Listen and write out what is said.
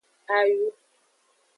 Ayu.